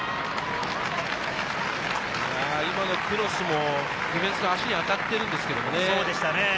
今のクロスもディフェンス、足に当たっているんですけどね。